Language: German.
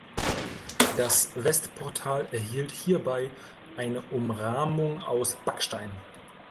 Das Westportal erhielt hierbei eine Umrahmung aus Backstein.